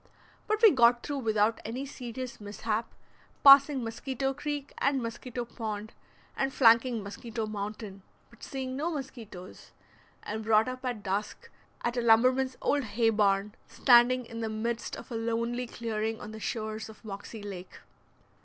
But we got through without any serious mishap, passing Mosquito Creek and Mosquito Pond, and flanking Mosquito Mountain, but seeing no mosquitoes, and brought up at dusk at a lumberman's old hay barn, standing in the midst of a lonely clearing on the shores of Moxie Lake.